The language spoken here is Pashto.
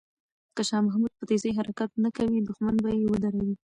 که شاه محمود په تېزۍ حرکت نه کوي، دښمن به یې ودروي.